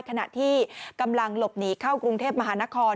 ขณะที่กำลังหลบหนีเข้ากรุงเทพมหานคร